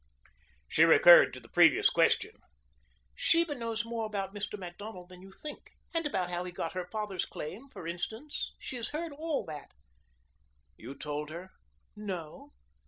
She recurred to the previous question. "Sheba knows more about Mr. Macdonald than you think. And about how he got her father's claim, for instance, she has heard all that." "You told her?" "No.